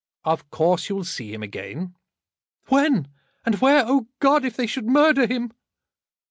"Of course you will see him again." "When! and where! Oh, God, if they should murder him!"